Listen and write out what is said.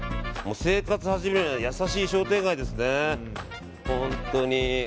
生活始めるなら優しい商店街ですね。